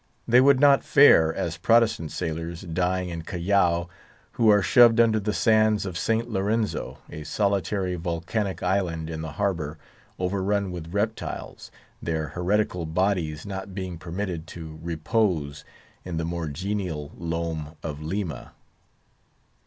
They would not fare as Protestant sailors dying in Callao, who are shoved under the sands of St. Lorenzo, a solitary, volcanic island in the harbour, overrun with reptiles, their heretical bodies not being permitted to repose in the more genial loam of Lima.